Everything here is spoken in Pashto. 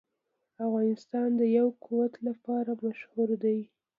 افغانستان د یاقوت لپاره مشهور دی.